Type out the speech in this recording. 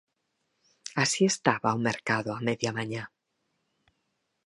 Así estaba o mercado a media mañá.